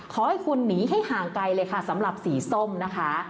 ขอให้คุณหนีให้ห่างไกลเลยค่ะสำหรับสีส้มนะคะ